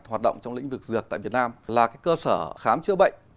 hoạt động trong lĩnh vực dược tại việt nam là cơ sở khám chữa bệnh